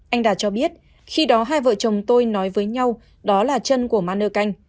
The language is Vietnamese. anh đạt cho biết khi đó hai vợ chồng tôi nói với nhau đó là chân của mano canh